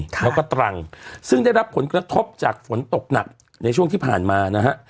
แล้วก็ตรังซึ่งได้รับผลกระทบจากฝนตกหนักในช่วงที่ผ่านมานะฮะ